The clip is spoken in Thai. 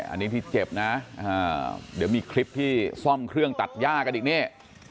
อันนี้ที่เจ็บนะเดี๋ยวมีคลิปที่ซ่อมเครื่องตัดย่ากันอีกนี่